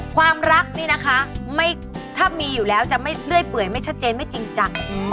ความรักนี่นะคะถ้ามีอยู่แล้วจะไม่เลื่อยเปื่อยไม่ชัดเจนไม่จริงจัง